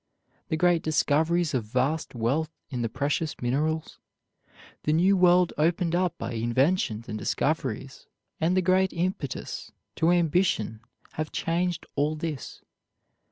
The great discoveries of vast wealth in the precious minerals, the new world opened up by inventions and discoveries, and the great impetus to ambition have changed all this.